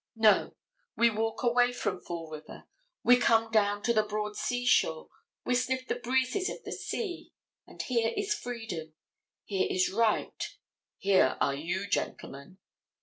No, we walk away from Fall River, we come down to the broad seashore, we sniff the breezes of the sea, and here is freedom, here is right, here are you, gentlemen.